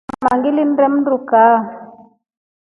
Tata ngama ngilimnde mndu kaa.